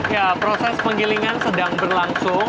ya proses penggilingan sedang berlangsung